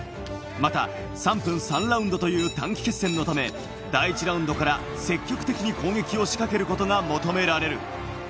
また３分３ラウンドという短期決戦のため、第１ラウンドから積極的に攻撃を仕掛けることが求められる。